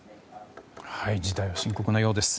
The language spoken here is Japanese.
事態は深刻なようです。